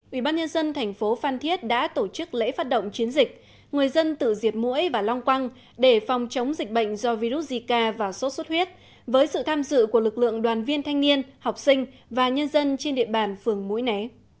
ubnd thành phố phan thiết đã tổ chức lễ phát động chiến dịch người dân tự diệt mũi và lăng quăng để phòng chống dịch bệnh do virus zika và sốt xuất huyết với sự tham dự của lực lượng đoàn viên thanh niên học sinh và nhân dân trên địa bàn phường mũi né